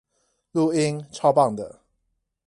錄音超棒的